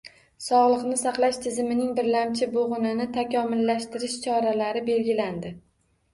Sog‘liqni saqlash tizimining birlamchi bo‘g‘inini takomillashtirish choralari belgilandi